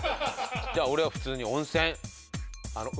じゃあ俺は普通に温泉。